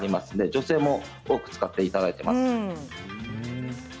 女性にも使っていただいています。